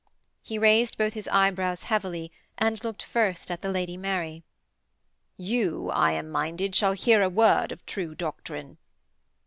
He raised both his eyebrows heavily and looked first at the Lady Mary. 'You, I am minded, shall hear a word of true doctrine.'